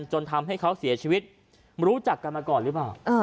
จนทำให้เขาเสียชีวิตรู้จักกันมาก่อนหรือเปล่า